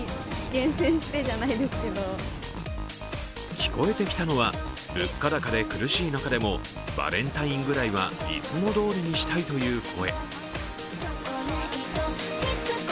聞こえてきたのは、物価高で苦しい中でもバレンタインぐらいはいつもどおりにしたいという声。